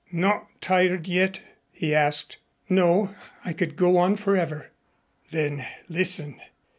"Not tired yet?" he asked. "No. I could go on forever." "Then listen.